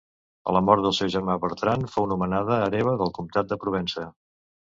A la mort del seu germà Bertran fou nomenada hereva del comtat de Provença.